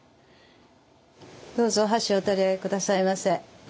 どうぞ箸をお取り下さいませ。